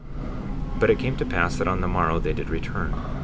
57:17 But it came to pass that on the morrow they did return.